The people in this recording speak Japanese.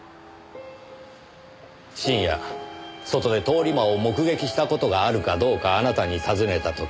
深夜外で通り魔を目撃した事があるかどうかあなたに尋ねた時。